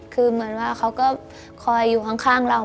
คือเหมือนว่าเขาก็คอยอยู่ข้างเรา